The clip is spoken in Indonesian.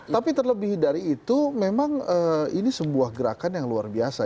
tapi terlebih dari itu memang ini sebuah gerakan yang luar biasa